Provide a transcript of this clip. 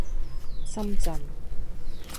深圳